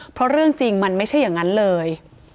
เพราะเรื่องจริงมันไม่ใช่อย่างนั้นเลย